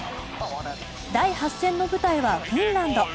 第８戦の舞台はフィンランド。